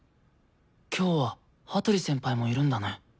今日は羽鳥先輩もいるんだね。